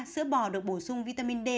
sữa bò được bổ sung vitamin d